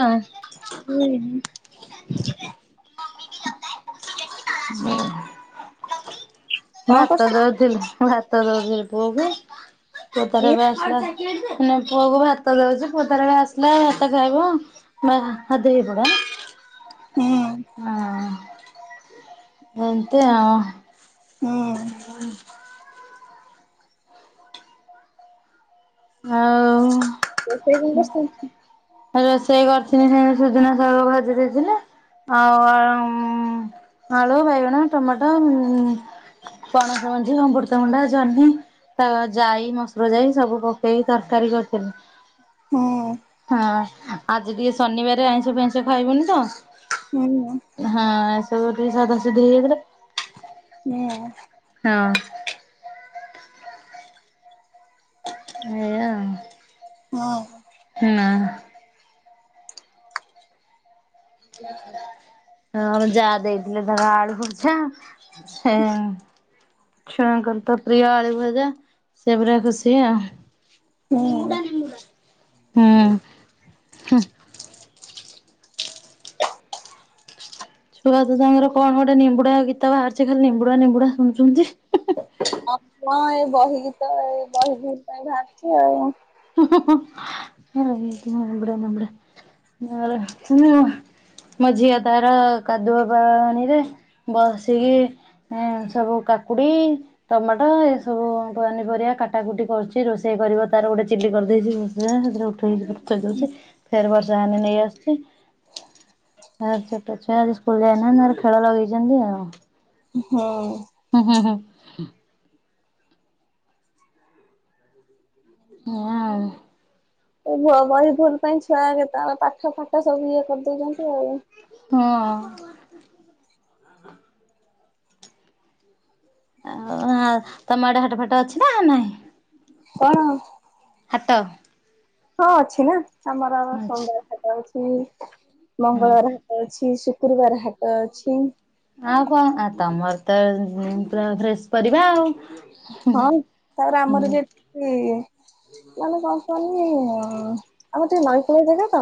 ହଁ ହୁଁ [inaudible] [unintelligible] [unintelligible] ମୁଁ ପୁଅକୁ କଣ ଭାତ କରୁଛୁ ଦଉଚି ପୁଅ ହୁଁ ତା'ର ଆସ୍‌ଲା ଭାତ ଖାଇବ। [inaudible] ହୁଁ। ହଁ [inaudible] ହଁ [inaudible] [inaudible] ରୋଷେଇ ସୁଜନା ଶାଗ ଭାଜି ଦେଇଥିଲି। ଆଉ ଉଁ ଆଳୁ ବାଇଗଣ ଟମାଟୋ ଉଁ ପଣସ ମଞ୍ଜି ଅମୃତ ମୁୁଣ୍ଡା ଜହ୍ନି ତା ଯାଇ ମସୁର ଯାଇ ସବୁ ପ ସେହି ତରକାରୀ କରିଥିଲି। ହୁଁ। ହଁ ଆଜି ଟିକେ ଶନିବାର ଆଇଁଷ ଫାଇଁଷ ଖାଇବୁନି ତ। ହୁଁ ହୁଁ। ହଁ ଏ ସବୁ ଟିକେ ସାଧାସିଦ୍ଧି ହେଇ ଯାଇଥିଲା। ହୁଁ। ହଁ। ଏଆ ଆଉ। ହଁ। ନା। [inaudible] ହଁ ଆମେ ଯାହା ଦେଇଥିଲେ ଧର ଆଡୁ ପଚ୍ଛା ହେଁ ଛୁଆଙ୍କର ତ ପ୍ରିୟ ଆଳୁ ଭଜା ସେ ପୁରା ଖୁସି ଆଉ ହଁ ହୁଁ। ଛୁଆତ ତାଙ୍କର କଣ ଗୋଟେ ନିମ୍ବୁଡା ଗୀତ ବାହାରିଛି ଖାଲି ନିମ୍ବୁଡା ନିମ୍ବୁଡା ଶୁଣୁଛନ୍ତି। ହଁ ହଁ ଏ ବହି ଗୀତ ଏ ବହି ବାହାରିଛି ଆଉ। ହଁ ହଁ [unintelligible] ନିବୁଡ଼ା ନିମୁଡ଼ା [unintelligible] ମୋ ଝିଅ ତାର କାଦୁଅ ପାଣିରେ ବସିକି ହଁ ସବୁ କାକୁଡି ଟମାଟୋ ଏ ସବୁ ପନିପରିବା କାଟା କୁଟି କରୁଛି ରୋଷେଇ କରିବ ତାର ଗୋଟେ ଚିଲି କରିଦେଇଛି [unintelligible] ସେଥିରେ ଉଠେଇକରି ଥୋଇ ଦଉଛି ଫେରେ ବର୍ଷା ହୋନେ ନେଇ ଆସୁଚି। ଆଉ ଛୋଟ ଛୁଆ ଆଜି ସ୍କୁଲ ଯାଇନାହାନ୍ତି ତାଙ୍କ ଖେଳ ଲଗେଇଛନ୍ତି ଆଉ। ହୁଁ। ହୁଁ ହୁଁ ହୁଁ। ହୁଁ ଏୟା ଆଉ ଏ ବ ବହି ଭୁଲ ପାଇଁ ଛୁଆ କେତ ପାଠ ଫାଠ ସବୁ ଇଏ କରିଦଉଛନ୍ତି ଆଉ। ହଁ। ଆ ହାଉ ତମ ଆଡେ ହାଟ ଫାଟ ଅଛି ନା ନାଇ? କଣ? ହାଟ। ହଁ ଅଛି ନା ଆମର ଅଛି ସଣ୍ଡେ ହାଟ ଅଛି। ହଁ। ମଙ୍ଗଳବାର ହାଟ ଅଛି ଶୁକ୍ରବାର ହାଟ ଅଛି। ଆଉ କଣ ଆ ତମର ତ ପୁରା ଫ୍ରେଶ ପରିବା ଆଉ। ହଁ ତାରେ ହୁଁ ଆମର ଯେ ସେ ମାନେ କଣ କନି ଆମର ଟିକେ ନଈକୂଳିଆ ଜାଗା ତ।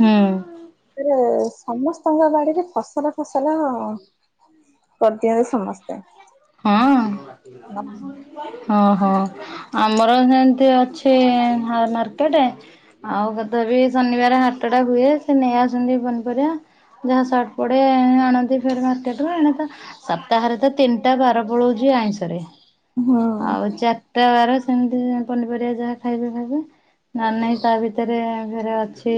ହୁଁ ସେଥିରେ ସମସ୍ତଙ୍କ ବାଡିରେ ଫସଲ ଫସଲ କରିଦିଅନ୍ତି ସମସ୍ତେ। ହଁ। ହଁ ହଁ ଆମର ସେମତି ଅଛି ମା ମାର୍କେଟେ। ଆଉ ତଥାପି ଶନିବାର ହାଟ ଟା ହୁଏ ସେ ନେଇ ଆସନ୍ତି ପନିପରିଆ। ଯାହା ସର୍ଟ ପଡେ ଆଣନ୍ତି ଫେରେ ମାର୍କେଟ ରୁ ଏଣେ ତ ସପ୍ତାହରେ ତିନି ଟା ବାର ପଳଉଛି ଆଇଁଷରେ ହୁଁ ଆଉ ହୁଁ ଚା ଟା ବାର ସେମିତି ପନିପରିବା ଯାହା ଖାଇବେ ଖାଇବେ। ନା ନାଇଁ ତା ଭିତରେ ଘରେ ଅଛି।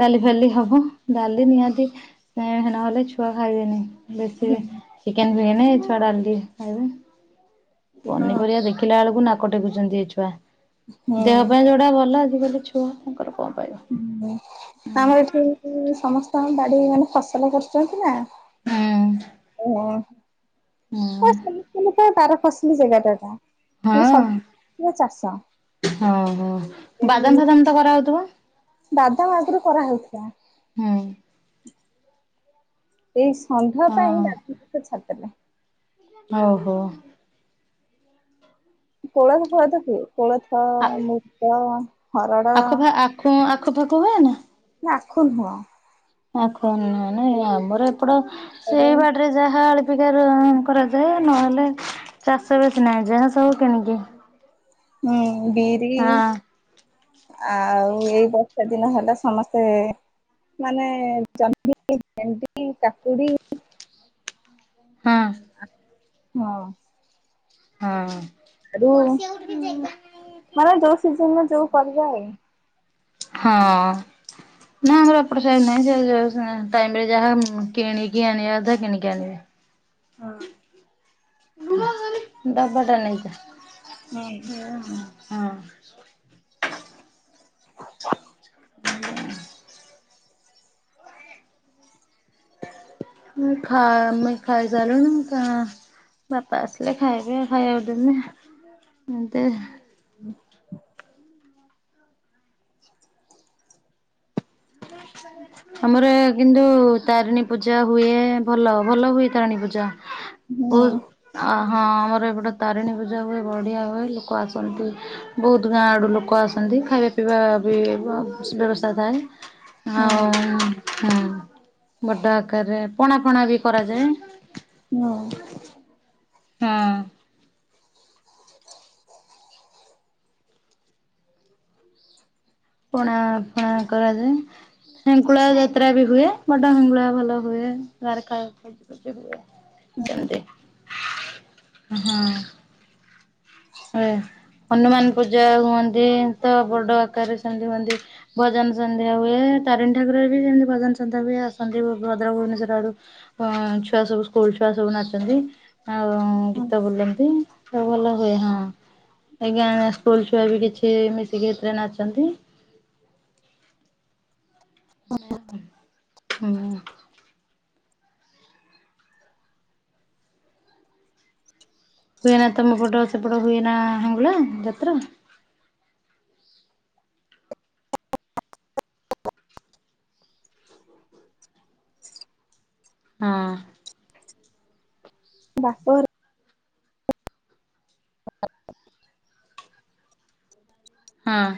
ଡାଲି ଫାଲି ହବ ଡାଲି ନିହାତି ଏ ନହେଲେ ଛୁଆ ଖାଇବେନି। ବେଶୀ ଚିକେନେ ଫିକେନେ ଛୁଆ ଡାଲି ଖାଇବେ। ହୁଁ। ପନିପରିବା ଦେଖିଲା ଏଳାକୁ ନାକ ଟେକୁଛନ୍ତି ଏ ଛୁଆ ଦେହ ପାଇଁ ହୁଁ ଯୋଉଟା ଭଲ ଆଜି କାଲି ଛୁ କୁଆଙ୍କର କଣ ପାଇବ। ହୁଁ ଉଁ ଆମର ଏଠି ସମସ୍ତଙ୍କ ବାଡି ମାନେ ଫସଲ କରୁଛନ୍ତି ନା। ହୁଁ। ହଁ ଫା ସେଇ ଜାଗା ଟା ବାର ଫସଲି ଜାଗା ଟା ନା। ହଁ ହଁ ହଁ ଏଇ ବାଦାମ ଫାଦାମ ତ କରାହଉଥିବ? ବାଦାମ ଆଗରୁ କରାହଉଥିଲା। ହୁଁ। ଏଇ ଷଣ୍ଢ ହଁ ପାଇଁ ରାତିପଥ ଛାତିଲେ। ଓହୋ। କୋଳଥ ଖାଉଚ କି କୋଳଥ, ମୁଗ। ହରଡ ଆଖ ଆଖୁ ଆଖୁ ପାଖୁ ହୁଏ ନା। ନା ଆଖୁ ନୁହ। ଆଖୁ ନୁହ ନାଇ ଆମର ଏପଟ ସେଇ ବାଟେ ରେ ଯାହା ଆଳପିକାର କରାଯାଏ ନହେଲେ ଚାଷ ବେଶୀ ନାଇଁ ଯାହା ସବୁ କିଣିକି। ହୁଁ ବିରି ହଁ ଆଉ ଏଇ ବଷା ଦିନ ହେଲା ସମସ୍ତେ ମାନେ ଜମ, ଭେଣ୍ଡି, କାକୁଡି ହଁ। ଆ ହଁ। ହଁ। ଆରୁ ସିଜନ୍ ଯେଉ ପରିବା। ହଁ। ନା ଆମର ଏପଟ ସାଇ ନାହିଁ ସେ ଯୋ ଟାଇମ ରେ ଯାହା କିଣିକି ଆଣିବା କଥା କିଣିକି ଆଣିବେ। ହଁ ଡବା ଟା ନେଇଯା ହଁ ହଁ ଉଁ ମୁଁ ଖା ମୁଇ ଖାାଇଶାଲୁଣୁ କା ବାପା ଆସିଲେ ଖାଇବେ ଖାଇବାକୁ ଦେମି ଏମତି ହଁ ଆମର କିନ୍ତୁ ତାରିଣୀ ପୂଜା ହୁଏ ଭଲ ଭଲ ହୁଏ ତାରିଣୀ ପୂଜା ହୁଁ ବହୁ ହଁ ଆମର ଏପଟେ ତାରିଣୀ ପୂଜା ହୁଏ ବଡିିଆ ହୁଏ ଲୋକ ଆସନ୍ତି ବହୁତ ଗାଁ ଆଡୁ ଲୋକ ଆସନ୍ତି ଖାଇବା ପିଇବା ବି ବ ବ୍ୟବସ୍ଥା ଥାଏ ହୁଁ ଆଉ ହଁ ବଡ ଆକାରରେ ପଣା ଫଣା ବି କରାଯାଏ ହୁଁ ହଁ ପଣା ଫଣା କରା ଯାଏ ହେଙ୍କୁଳା ଯାତ୍ରା ବି ହୁଏ ବଡ ହେଙ୍ଗୁଳା ଭଲ ହୁଏ ଦାରକା କେନ୍ତି ହୁଁ ହନୁମାନ ପୂଜା ହୁଅନ୍ତି ତ ବଡ ଆକାରରେ ସେମିତି ହୁଅନ୍ତି ଭଜନ ସନ୍ଧ୍ୟା ହୁଏ ତାରିଣି ଠାକୁର ବି ଯେମତି ଭଜନ ସନ୍ଧ୍ୟା ବିଏ ଆସନ୍ତି ଭଦ୍ର ଭୁବନେଶ୍ୱଵର ଆଡୁ ଅ ଛୁଆ ସବୁ ସ୍କୁଲ ଛୁଆ ସବୁ ନାଚନ୍ତି ଆଉ ହୁଁ ଗୀତ ବୁଲନ୍ତି ତ ଭଲ ହୁଏ ହଁ ଆଜ୍ଞା ସ୍କୁଲ ଛୁଆ ବି କିଛି ମିଶିକି ହେଥ୍ରେ ନାଚନ୍ତି ହୁଁ ହୁଏନା ତମ ପଟ ସେପଟ ହୁଏ ନା ହିଙ୍ଗୁଳା ଯାତ୍ରା ହଁ ବାପଘର୍ ହ ହଁ